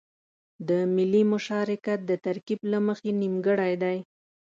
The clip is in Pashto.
د ملي مشارکت د ترکيب له مخې نيمګړی دی.